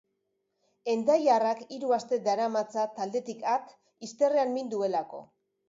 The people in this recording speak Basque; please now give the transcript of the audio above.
Hendaiarrak hiru aste daramatza taldetik at izterrean min duelako.